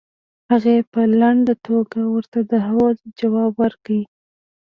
هغې په لنډه توګه ورته د هو ځواب ورکړ.